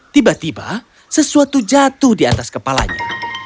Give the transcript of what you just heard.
tiba tiba sesuatu jatuh di atas kepalanya